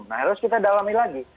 nah harus kita dalami lagi